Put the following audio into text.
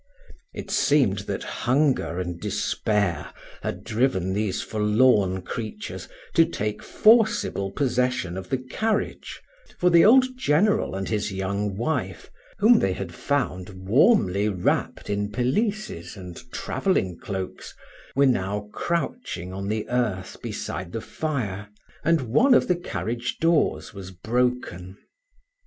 It seemed that hunger and despair had driven these forlorn creatures to take forcible possession of the carriage, for the old General and his young wife, whom they had found warmly wrapped in pelisses and traveling cloaks, were now crouching on the earth beside the fire, and one of the carriage doors was broken.